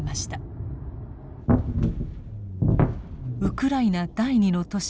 ウクライナ第二の都市